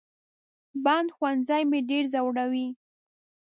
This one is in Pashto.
بند ښوونځي مې ډېر زوروي